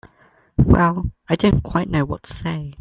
Well—I don't quite know what to say.